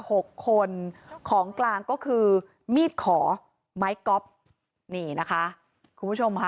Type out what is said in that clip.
หกคนของกลางก็คือมีดขอไม้ก๊อฟนี่นะคะคุณผู้ชมค่ะ